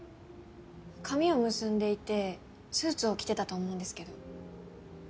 髪を結んでいてスーツを着てたと思うんですけど。